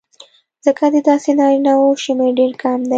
ځکه د داسې نارینهوو شمېر ډېر کم دی